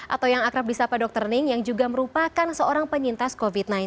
atau yang akrab di sapa dr ning yang juga merupakan seorang penyintas covid sembilan belas